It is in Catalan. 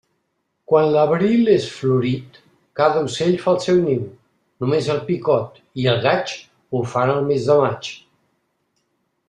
Quan l'abril és florit, cada ocell fa el seu niu; només el picot i el gaig ho fan el mes de maig.